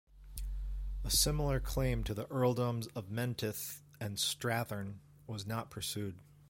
A similar claim to the Earldoms of Menteith and Strathearn was not pursued.